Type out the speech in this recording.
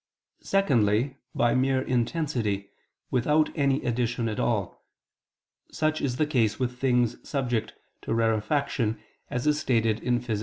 Secondly, by mere intensity, without any addition at all; such is the case with things subject to rarefaction, as is stated in _Phys.